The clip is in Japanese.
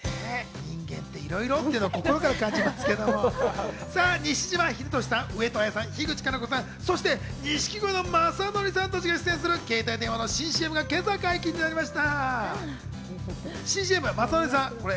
人間っていろいろというのを心から感じますけど、西島秀俊さん、上戸彩さん、樋口可南子さん、そして錦鯉の雅紀さんが出演する携帯電話の新ＣＭが今朝解禁になりました。